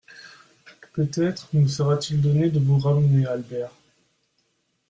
Peut-être me sera-t-il donné de vous ramener Albert.